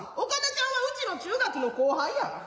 岡田ちゃんはうちの中学の後輩や。